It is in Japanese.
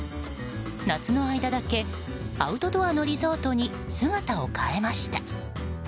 夏の間だけアウトドアのリゾートに姿を変えました。